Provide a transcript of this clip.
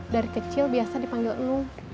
dari kecil biasa dipanggil lu